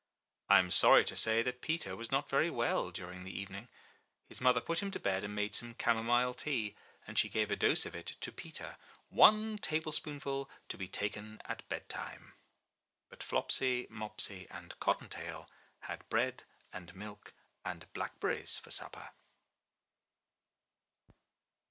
I am sorry to say that Peter was not very well during the evening. His mother put him to bed and made some camomile tea; and she gave a dose of it to Peter! ''One table spoonful to be taken at bed time!'* But Flopsy, Mopsy and Cottontail had bread and milk and blackberries for supper.